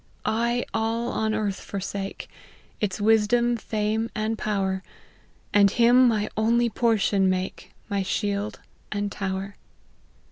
* I all on earth forsake, Its wisdom, fame, and power; And him my only portion make, IVJy shield and tower.'